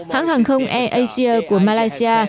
hãng hàng không air asia của malaysia